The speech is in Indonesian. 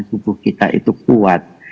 kubuh kita itu kuat